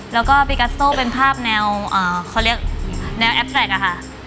แล้วก็พิกัสโตเป็นภาพแนวแอปแสตรักษ์